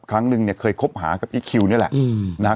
ครั้งนึงเนี่ยเคยคบหากับอีคคิวนี่แหละนะฮะ